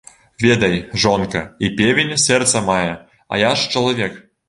Ведай, жонка, і певень сэрца мае, а я ж чалавек.